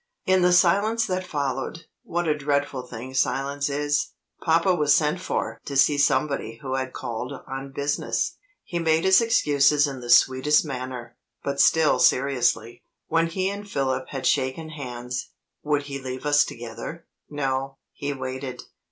In the silence that followed what a dreadful thing silence is! papa was sent for to see somebody who had called on business. He made his excuses in the sweetest manner, but still seriously. When he and Philip had shaken hands, would he leave us together? No; he waited.